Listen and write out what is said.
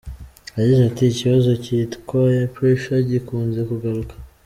Yagize ati “Ikibazo cyitwa ‘pressure’gikunze kugaruka.